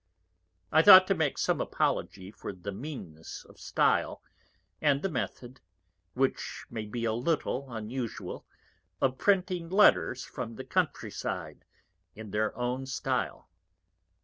_ _I thought to make some Apology for the Meanness of Stile, and the Method, which may be a little unusual, of Printing Letters from the Country in their own Stile.